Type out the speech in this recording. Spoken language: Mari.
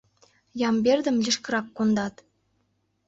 Ямбердым лишкырак кондат.